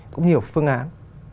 cũng nhiều phương án